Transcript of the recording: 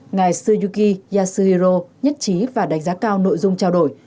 ngài tsuyuki yasuhiro nhất trí và đánh giá cao nội dung trao đổi